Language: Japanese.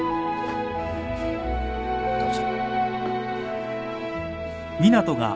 どうぞ。